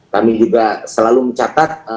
kami juga selalu mencatat